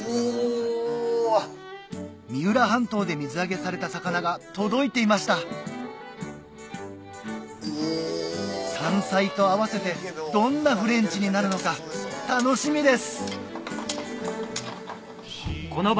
三浦半島で水揚げされた魚が届いていました山菜と合わせてどんなフレンチになるのか楽しみです！